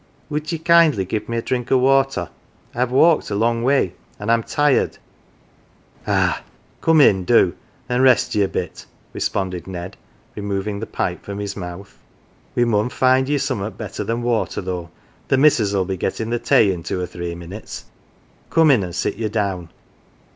"Would ye kindly give me a drink of water ? I have walked a long way and am tired."" " Ah, come in, do, an 1 rest ye a bit," responded Ned, removing the pipe from his mouth. " We muu find ye summat better than water though. The missus '11 be gettin" 1 the tay in a two three minutes. Come in, an 1 sit ye down.""